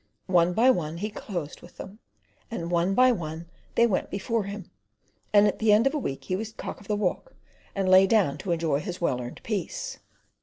One by one he closed with them, and one by one they went before him; and at the end of a week he was "cock of the walk," and lay down to enjoy his well earned peace.